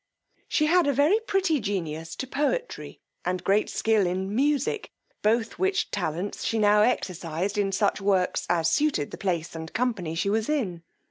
She had a very pretty genius to poetry, and great skill in music, both which talents she now exercised in such works as suited the place and company she was in.